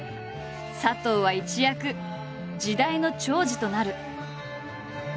佐藤は一躍時代の寵児となる。